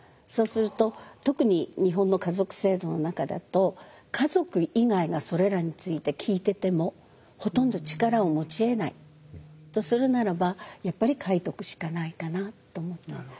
そうすると特に日本の家族制度の中だと家族以外がそれらについて聞いててもほとんど力を持ち得ないとするならばやっぱり書いとくしかないかなと思って。